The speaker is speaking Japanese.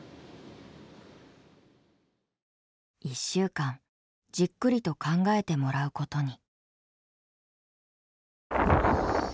１週間じっくりと考えてもらうことに。